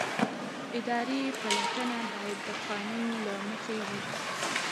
اداري پلټنه باید د قانون له مخې وي.